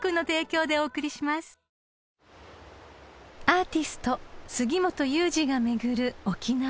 ［アーティスト杉本雄治が巡る沖縄］